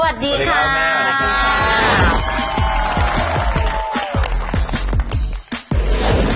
สวัสดีครับแม่